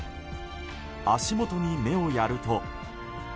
足元に目をやると。